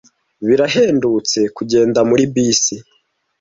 Birahendutse kugenda muri bisi.